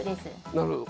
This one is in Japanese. なるほど。